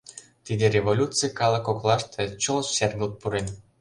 Тиде революций калык коклаште чот шергылт пурен.